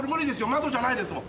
窓じゃないですもん。